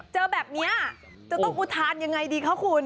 เจอแบบนี้จะต้องอุทานยังไงดีคะคุณ